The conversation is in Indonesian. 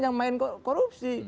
yang main korupsi